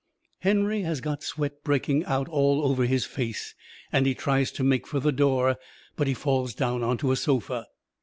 Henry has got sweat breaking out all over his face, and he tries to make fur the door, but he falls down onto a sofa.